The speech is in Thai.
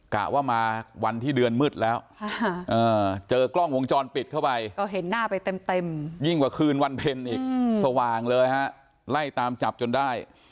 กะว่ามาวันที่เดือนมืดแล้วอ่าเจอกล้องวงจรปิดเข้าไป